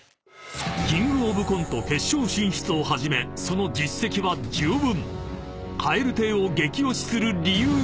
［キングオブコント決勝進出をはじめその実績は十分］